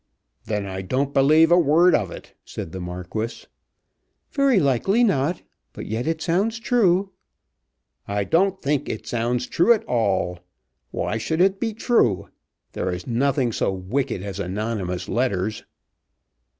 "Then I don't believe a word of it," said the Marquis. "Very likely not; but yet it sounds true." "I don't think it sounds true at all. Why should it be true? There is nothing so wicked as anonymous letters."